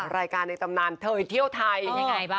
รายการในจำนานเทย์เที่ยวไทย